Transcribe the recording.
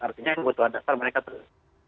artinya kebutuhan dasar mereka terus